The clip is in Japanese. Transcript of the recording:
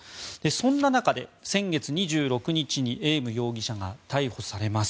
そんな中で先月２６日にエーム容疑者が逮捕されます。